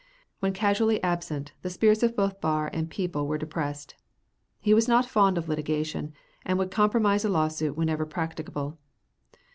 When casually absent, the spirits of both bar and people were depressed. He was not fond of litigation, and would compromise a lawsuit whenever practicable.